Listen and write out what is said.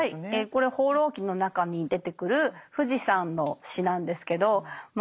これは「放浪記」の中に出てくる富士山の詩なんですけどまあ